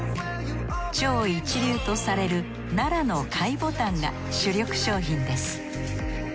超一流とされる奈良の貝ボタンが主力商品です。